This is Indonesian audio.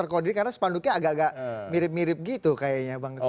karena sepanduknya agak agak mirip mirip gitu kayaknya bang ciko